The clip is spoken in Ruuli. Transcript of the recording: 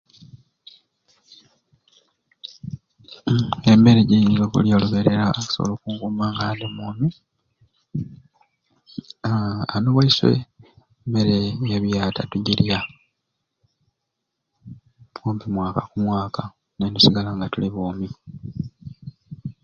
Uhhm emere jenyinza okulya oluberera esobole okunkuma nga ndi mwoomi aaha ani ewaiswe mmere ya biyata tujirya kumpi mwaka ku mwaka netusigala nga tuli boomi.